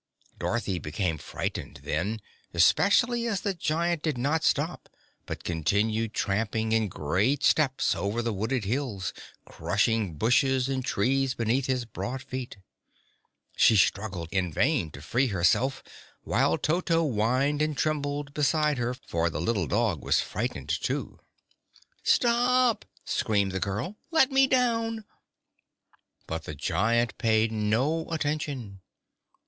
Dorothy became frightened, then, especially as the giant did not stop but continued tramping in great steps over the wooded hills, crushing bushes and trees beneath his broad feet. She struggled in vain to free herself, while Toto whined and trembled beside her, for the little dog was frightened, too. "Stop!" screamed the girl. "Let me down!" But the giant paid no attention.